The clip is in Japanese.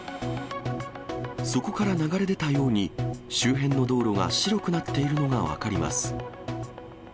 そこから流れ出たように、周辺の道路が白くなっているのが分かります。